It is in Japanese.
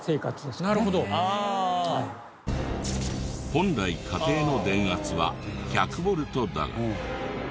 本来家庭の電圧は１００ボルトだが。